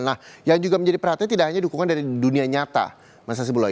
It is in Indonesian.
nah yang juga menjadi perhatian tidak hanya dukungan dari dunia nyata mas hasibulo